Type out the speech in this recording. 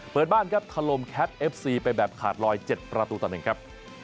เปิดบ้านครับทะลมแคทเอฟซีไปแบบขาดลอย๗ประตูต่อ๑ครับ